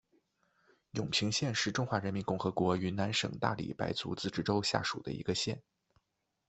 永平县是中华人民共和国云南省大理白族自治州下属的一个县。